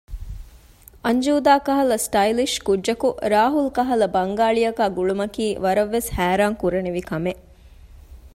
އަންޖޫދާ ކަހަލަ ސްޓައިލިޝް ކުއްޖަކު ރާހުލް ކަހަލަ ބަންގާޅި އަކާ ގުޅުމަކީ ވަރަށް ވެސް ހައިރާންކުރަނިވި ކަމެއް